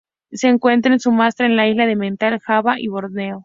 Se encuentra en Sumatra en la isla de Mentawai, Java y Borneo.